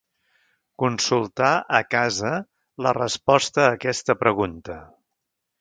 Consultar a casa la resposta a aquesta pregunta.